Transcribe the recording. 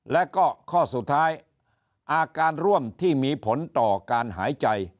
และก็ข้อสุดท้ายอาการร่วมที่มีผลต่อการหายใจ